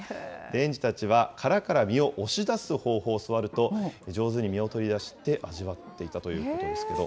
園児たちは、殻を身を押し出す方法を教わると上手に身を取り出して、味わっていたということです